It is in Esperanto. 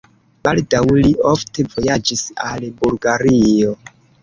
Baldaŭ li ofte vojaĝis al Bulgario.